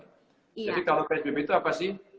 jadi kalau psbb itu apa sih